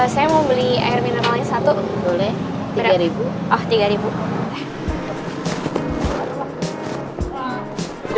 saya mau beli air minuman lain satu